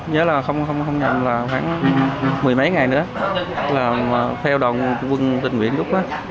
nhớ là không nhầm là khoảng mười mấy ngày nữa là theo đoàn quân tình nguyện lúc đó